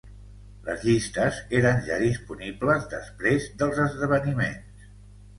Les llistes eren ja disponibles després dels esdeveniments.